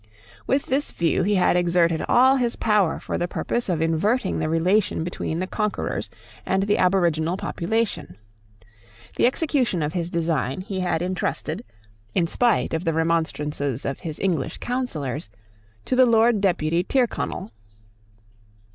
With this view he had exerted all his power for the purpose of inverting the relation between the conquerors and the aboriginal population. The execution of his design he had intrusted, in spite of the remonstrances of his English counsellors, to the Lord Deputy Tyrconnel.